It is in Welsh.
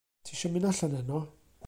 Tisio mynd allan heno?